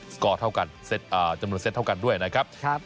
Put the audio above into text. สกอร์เท่ากันจำนวนเซตเท่ากันด้วยนะครับ